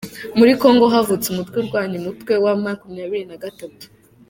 Muri Kongo havutse umutwe urwanya Umutwe wamakumyabiri Nagatatu